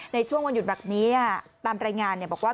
ในช่วงวันหยุดแบบนี้ตามรายงานบอกว่า